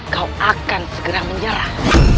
kau akan segera menyerah